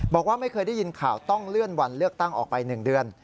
บอกว่าไม่เคยได้ยินข่าวต้องเลื่อนวันเลือกตั้งออกไป๑เดือน